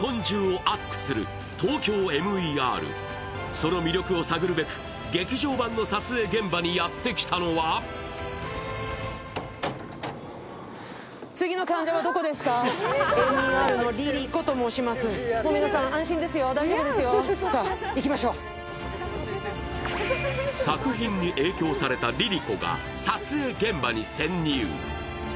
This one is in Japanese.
その魅力を探るべく、劇場版の撮影現場にやってきたのは作品に影響されたＬｉＬｉＣｏが撮影現場に潜入。